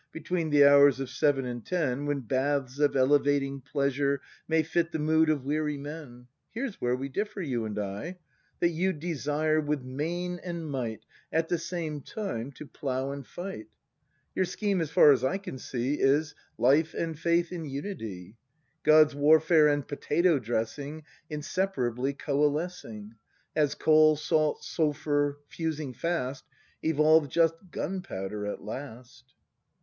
Between the hours of seven and ten. When baths of elevating pleasure May fit the mood of weary men. Here's where we differ, you and we. That you desire with main and might At the same time to plough and fight. Your scheme, as far as I can see, Is: Life and Faith in unity, — God's warfare and potato dressing Inseparably coalescing. As coal, salt, sulphur, fusing fast. Evolve just gunpowder at last.